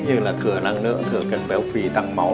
như là thửa năng lượng thửa cân béo phì tăng máu